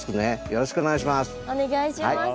よろしくお願いします。